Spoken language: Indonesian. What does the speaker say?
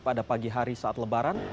pada pagi hari saat lebaran